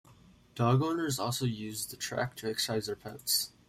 Dog owners also use the track to exercise their pets.